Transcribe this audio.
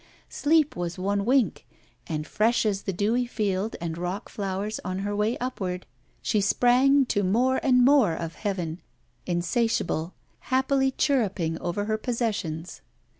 Sleep was one wink, and fresh as the dewy field and rockflowers on her way upward, she sprang to more and more of heaven, insatiable, happily chirruping over her possessions.